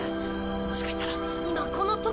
もしかしたら今この時も。